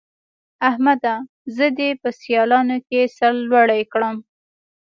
احمده! زه دې په سيالانو کې سر لوړی کړم.